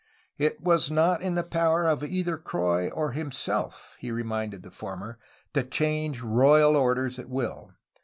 It was not in the power of either Croix or himself, he re minded the former, to change royal orders at will.